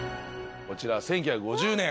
こちら１９５０年。